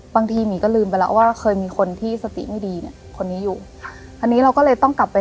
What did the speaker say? บางทีหมี่ก็ลืมไปแล้วว่าเคยมีคนที่สติไม่ดีเนี่ย